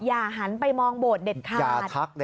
อย่าหันไปมองโบตเด็ดขาด